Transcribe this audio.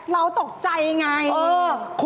เราจะเล่นเป็นเรื่องปกติ